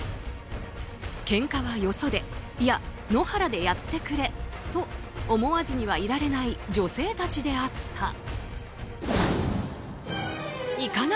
けんかはよそでいや、野原でやってくれと思わずにはいられない女性たちであった。